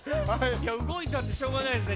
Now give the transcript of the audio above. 動いたんでしょうがないですね。